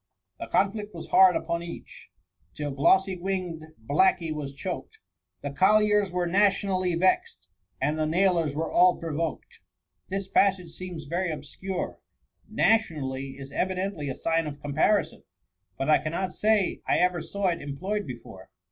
' The conflict was hard upon each^ Till glossy wing'd blacky was choked> The colliers were nationally vez'd^ And the nailers were all provoked/ This passage seems very obscure :* Nationally* g2 1S4 THE MUMMY. is evidently a sign of comparison, but I cannot say I ever saw it employed before.